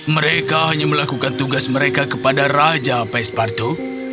mereka hanya melakukan tugas mereka kepada raja pes partu